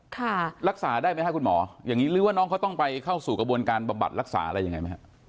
ค่ะรักษาได้ไหมฮะคุณหมออย่างนี้หรือว่าน้องเขาต้องไปเข้าสู่กระบวนการบำบัดรักษาอะไรยังไงไหมฮะ